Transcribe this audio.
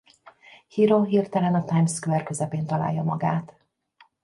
Hiro hirtelen a Times Square közepén találja magát.